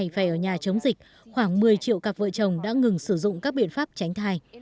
phải ở nhà chống dịch khoảng một mươi triệu cặp vợ chồng đã ngừng sử dụng các biện pháp tránh thai